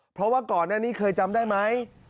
เพราะว่าก่อนหน้านี้เคยจำได้ไหม